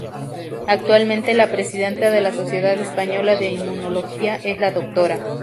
Actualmente la presidenta de la Sociedad Española de Inmunología es la Dra.